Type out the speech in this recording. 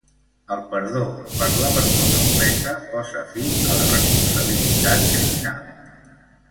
El perdó per la persona ofesa posa fi a la responsabilitat criminal.